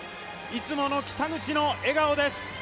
いつもの北口の笑顔です。